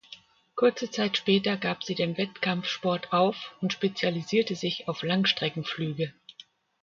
Kurze Zeit später gab sie den Wettkampfsport auf und spezialisierte sich auf Langstreckenflüge.